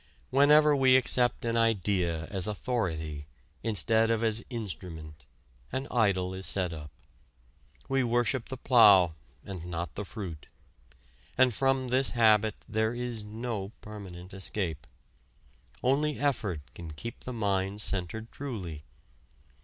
Whenever we accept an idea as authority instead of as instrument, an idol is set up. We worship the plough, and not the fruit. And from this habit there is no permanent escape. Only effort can keep the mind centered truly.